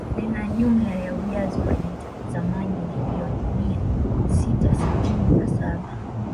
Lina jumla ya ujazo wa lita za maji milioni mia sita sitini na saba